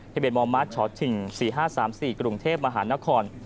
ที่เป็นมมฉถิ่ง๔๕๓๔กรุงเทพฯมหานคร